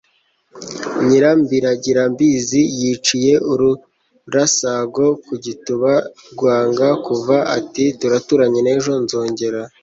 nyirambigirambizi yiciye ururasago ku gituba rwanga kuva ati turaturanye n'ejo nzongera